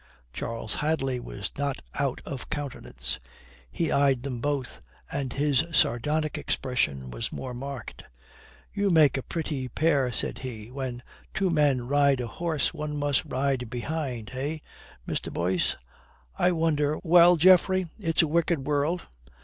Charles Hadley was not out of countenance. He eyed them both, and his sardonic expression was more marked. "You make a pretty pair," said he. "When two men ride a horse, one must ride behind. Eh, Mr. Boyce? I wonder. Well, Geoffrey, it's a wicked world.